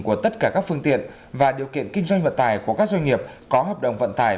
của tất cả các phương tiện và điều kiện kinh doanh vận tải của các doanh nghiệp có hợp đồng vận tải